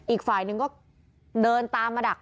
อีกฝ่ายหนึ่งก็เดินตามมาดัก